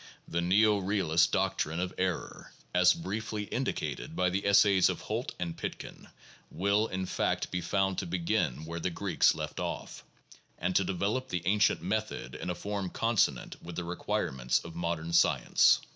The neo realist doctrine of error (as briefly indicated in the essays of Holt and Pitkin) will, in fact, be found to begin where the Greeks left off, and to develop the ancient method in a form consonant with the requirements of mod ern science.